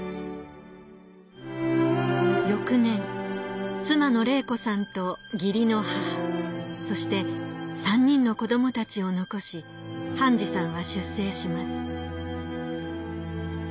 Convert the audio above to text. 翌年妻の禮子さんと義理の母そして３人の子どもたちを残し半次さんは出征します